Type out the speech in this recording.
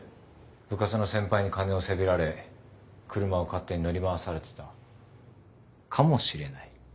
部活の先輩に金をせびられ車を勝手に乗り回されてたかもしれない。